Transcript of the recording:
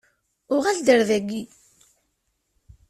Uɣal-d ar daki.